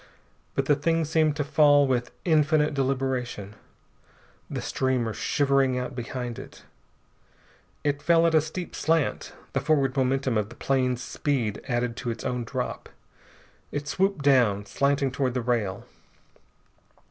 But the thing seemed to fall with infinite deliberation, the streamer shivering out behind it. It fell at a steep slant, the forward momentum of the plane's speed added to its own drop. It swooped down, slanting toward the rail....